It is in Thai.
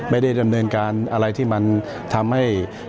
ไม่ได้ดำเนินการอะไรที่มันทำให้